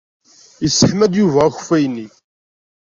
Yesseḥma-d Yuba akeffay-nni.